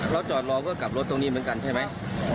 จอดรอก็กลับรถตรงนี้เหมือนกันใช่ไหม